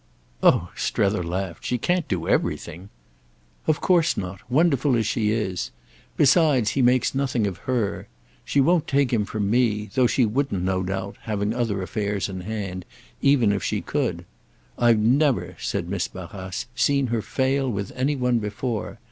"Oh," Strether laughed, "she can't do everything. "Of course not—wonderful as she is. Besides, he makes nothing of her. She won't take him from me—though she wouldn't, no doubt, having other affairs in hand, even if she could. I've never," said Miss Barrace, "seen her fail with any one before.